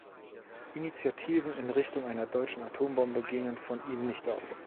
Initiativen in Richtung einer deutschen Atombombe gingen von ihm nicht aus.